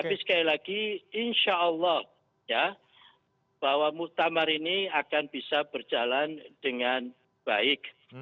tapi sekali lagi insya allah ya bahwa muktamar ini akan bisa berjalan dengan baik